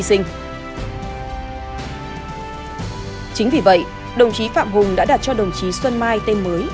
chính vì vậy đồng chí phạm hùng đã đặt cho đồng chí xuân mai tên mới